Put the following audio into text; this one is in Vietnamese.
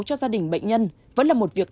cho gia đình bệnh nhân vẫn là một việc